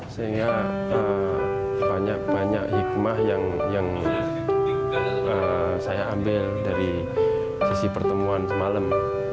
sehingga banyak banyak hikmah yang saya ambil dari sisi pertemuan semalam